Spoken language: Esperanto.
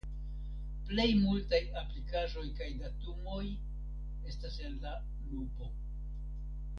Plej multaj aplikaĵoj kaj datumoj estas en la "nubo".